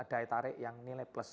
daya tarik yang nilai plus